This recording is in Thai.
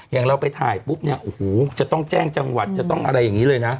อย่างเราไปถ่ายปุ๊บเนี่ยโอ้โหจะต้องแจ้งจังหวัดจะต้องอะไรอย่างนี้เลยนะ